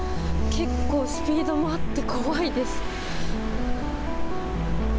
結構スピードあって怖い。